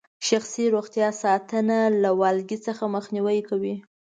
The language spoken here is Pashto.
شخصي روغتیا ساتنه له والګي څخه مخنیوي کوي.